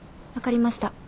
分かりました。